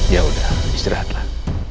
ya udah istirahatlah